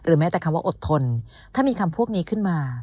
แม้แต่คำว่าอดทนถ้ามีคำพวกนี้ขึ้นมา